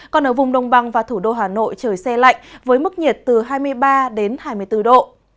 còn ở vùng đông bằng và thủ đô hà nội trời xe lạnh với mức nhiệt từ hai mươi ba đến hai mươi bốn độ